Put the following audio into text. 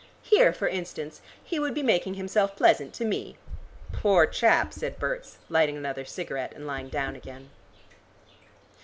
Here, for instance, he would be making himself pleasant to me." "Poor chap!" said Berts, lighting another cigarette, and lying down again.